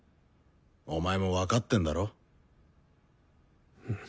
お前も分かってんだろ？